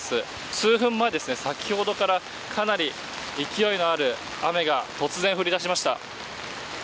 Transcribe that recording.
数分前、先ほどからかなり勢いのある雨が突然降りだしました。